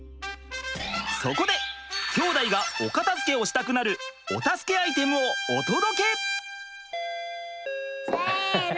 そこで兄弟がお片づけをしたくなるお助けアイテムをお届け！せの！